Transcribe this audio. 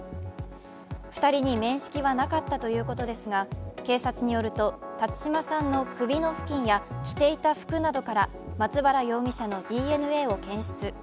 ２人に面識はなかったということですが警察によると辰島さんの首の付近や着ていた服などから松原容疑者のＤＮＡを検出。